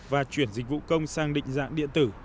và chuyển dịch vụ công sang định dạng điện tử